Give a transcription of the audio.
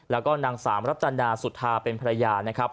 แล้วก็นางศาลรัประตานาสุฤธาเป็นพระยาไต้นะครับ